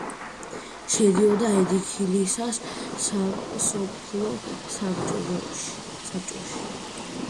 შედიოდა ედიქილისას სასოფლო საბჭოში.